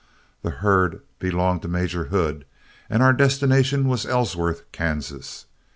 The herd belonged to Major Hood, and our destination was Ellsworth, Kansas.